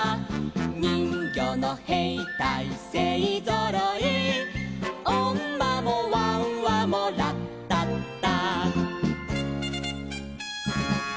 「にんぎょうのへいたいせいぞろい」「おんまもわんわもラッタッタ」